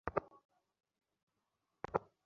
লুকিয়ে আক্রমণ করিস, হারামজাদা!